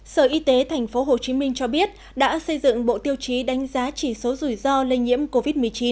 sở y tế tp hcm cho biết đã xây dựng bộ tiêu chí đánh giá chỉ số rủi ro lây nhiễm covid một mươi chín